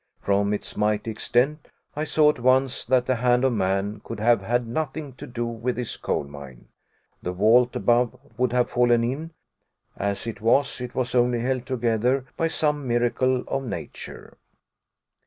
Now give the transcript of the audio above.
From its mighty extent I saw at once that the hand of man could have had nothing to do with this coal mine; the vault above would have fallen in; as it was, it was only held together by some miracle of nature.